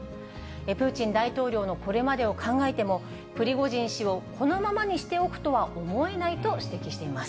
プーチン大統領のこれまでを考えても、プリゴジン氏をこのままにしておくとは思えないと指摘しています。